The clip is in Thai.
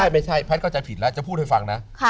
พัทรก็คิดผิดแล้วจะพูดให้ฟังนะ